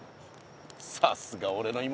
さすがおれの妹。